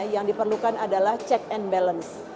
yang diperlukan adalah check and balance